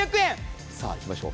いきましょう。